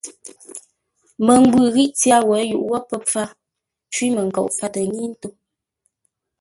Məngwʉ̂ ghî tyár wǒ yʉʼ wó pə́ pfár, cwímənkoʼ fâtə ńŋə́i ńtó.